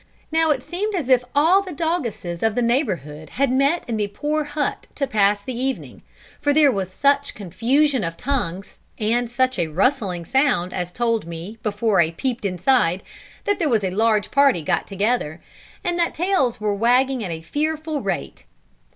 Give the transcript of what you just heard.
Now it seemed as if all the doggesses of the neighbourhood had met in the poor hut to pass the evening, for there was such confusion of tongues, and such a rustling sound, as told me, before I peeped inside, that there was a large party got together, and that tails were wagging at a fearful rate.